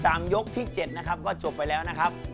ยกที่๗นะครับก็จบไปแล้วนะครับ